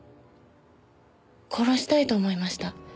殺したいと思いました。